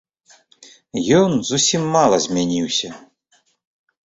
Ён зусім мала змяніўся.